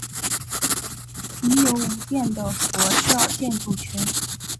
已有五殿的佛教建筑群。